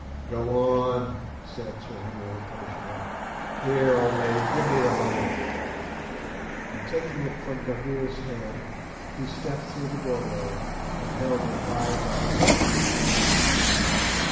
"Go on," said Sir Henry impatiently. "Here, old lady, give me the lamp," and taking it from Gagool's hand, he stepped through the doorway and held it high above his head.